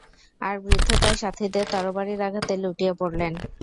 আর বৃদ্ধ তার সাথীদের তরবারীর আঘাতে লুটিয়ে পড়লেন।